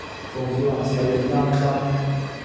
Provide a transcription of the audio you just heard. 桃子還是有點擔心